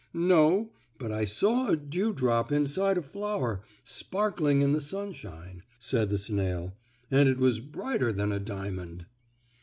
"No, but I saw a dewdrop inside a flower sparkling in the sunshine," said the snail, "and it was brighter than a diamond."